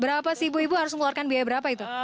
berapa sih ibu ibu harus mengeluarkan biaya berapa itu